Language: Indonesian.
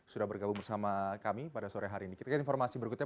sudah bergabung bersama kami pada sore hari ini